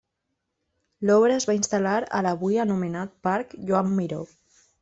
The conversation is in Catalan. L'obra es va instal·lar a l'avui anomenat Parc Joan Miró.